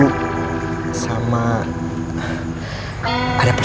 cuma menyampaikan ini saja dari ibu